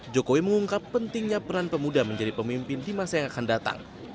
jokowi mengungkap pentingnya peran pemuda menjadi pemimpin di masa yang akan datang